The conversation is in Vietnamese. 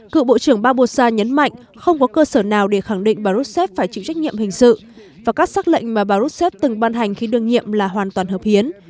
cựu bộ trưởng babosa nhấn mạnh không có cơ sở nào để khẳng định bà rcep phải chịu trách nhiệm hình sự và các xác lệnh mà bà rushat từng ban hành khi đương nhiệm là hoàn toàn hợp hiến